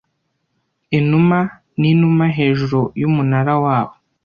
inuma n'inuma hejuru yumunara wabo